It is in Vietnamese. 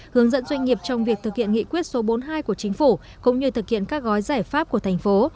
hướng dẫn doanh nghiệp trong việc thực hiện nghị quyết số bốn mươi hai của chính phủ cũng như thực hiện các gói giải pháp của thành phố